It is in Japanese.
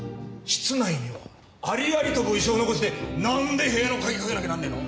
室内にはありありと物証を残してなんで部屋の鍵かけなきゃなんねえの？